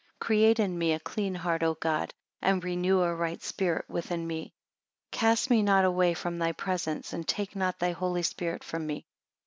Create in me a clean heart O God; and renew a right spirit within me. 34 Cast me not away from thy presence, and take not thy holy spirit from me.